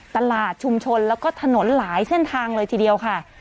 ตลาดชุมชนแล้วก็ถนนหลายเส้นทางเลยทีเดียวค่ะ